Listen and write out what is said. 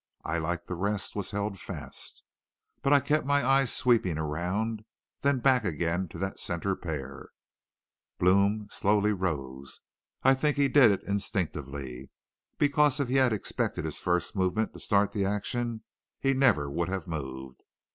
I, like the rest, was held fast. But I kept my eyes sweeping around, then back again to that center pair. "Blome slowly rose. I think he did it instinctively. Because if he had expected his first movement to start the action he never would have moved.